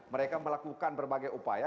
mereka melakukan berbagai upaya